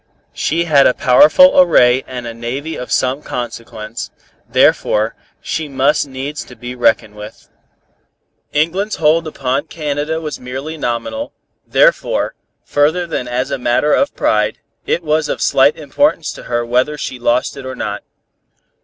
She had a powerful array and a navy of some consequence, therefore she must needs to be reckoned with. England's hold upon Canada was merely nominal, therefore, further than as a matter of pride, it was of slight importance to her whether she lost it or not.